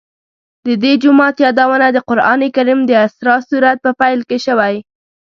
د دې جومات یادونه د قرآن کریم د اسراء سورت په پیل کې شوې.